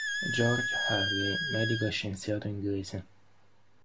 George Harley, medico e scienziato inglese.